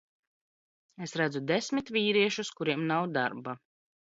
Es redzu desmit vīriešus, kuriem nav darba.